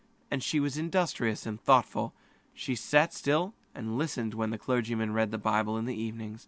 And she was industrious and thoughtful. She sat quiet and listened when the pastor read aloud from the Bible in the evening.